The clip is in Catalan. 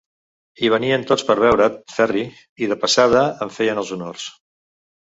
Hi venien tots per veure't, Ferri, i de passada em feien els honors.